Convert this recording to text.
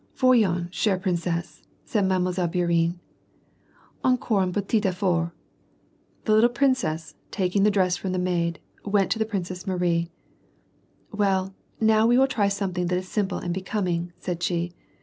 " Voyons, chhre princess,^' said Mile. Bourienne, " encore un petit effort !" The little princess, taking the dress from the maid, went to the Princess Marie. " Well, now we will try something that is simple and becom ing," said she.